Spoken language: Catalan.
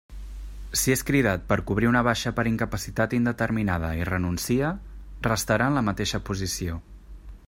Si és cridat per cobrir una baixa per incapacitat indeterminada i renuncia restarà en la mateixa posició.